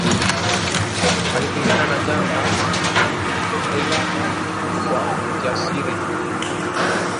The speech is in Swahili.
Alipigana na jangwa lile kwa ujasiri